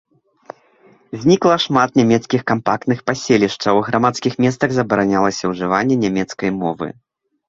Знікла шмат нямецкіх кампактных паселішчаў, у грамадскіх месцах забаранялася ўжыванне нямецкай мовы.